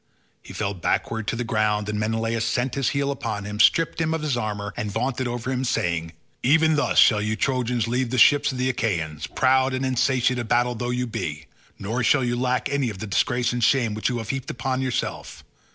He fell backwards to the ground, and Menelaus set his heel upon him, stripped him of his armour, and vaunted over him saying, "Even thus shall you Trojans leave the ships of the Achaeans, proud and insatiate of battle though you be, nor shall you lack any of the disgrace and shame which you have heaped upon myself.